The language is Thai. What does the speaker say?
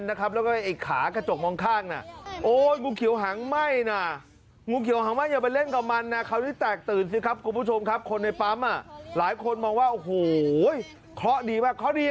ตอนแรกก็เฮ้ยงูเขียวสำหรับธรรมดาก้าว